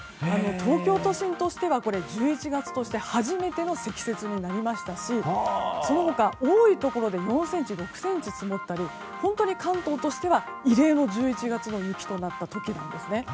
東京都心としては１１月として初めての積雪となりましたしその他、多いところで４ｃｍ、６ｃｍ積もったり本当に関東としては異例の１１月の雪となった時なんですね。